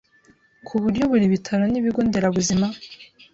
ku buryo buri bitaro n’ibigo nderabuzima